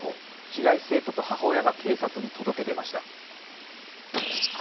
被害生徒と母親が警察に届け出ました。